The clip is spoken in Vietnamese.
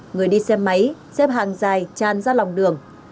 người đi xe máy xếp hàng dài tràn ra lòng đường